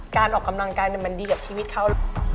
การออกกำลังกายมันดีกับชีวิตเขา